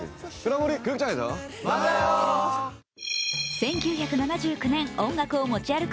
１９７９年、音楽を持ち歩く